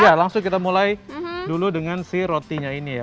ya langsung kita mulai dulu dengan si rotinya ini ya